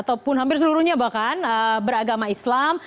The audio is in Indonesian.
ataupun hampir seluruhnya bahkan beragama islam